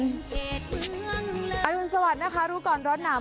การุญสวัสดิ์นะคะรูกรณรสหน่า